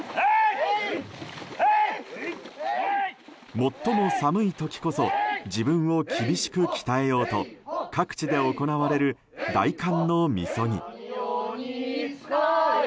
最も寒い時こそ自分を厳しく鍛えようと各地で行われる大寒のみそぎ。